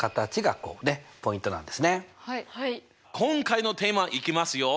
今回のテーマいきますよ。